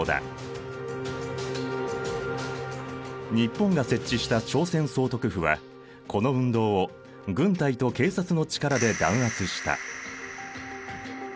日本が設置した朝鮮総督府はこの運動を軍隊と警察の力で弾圧した。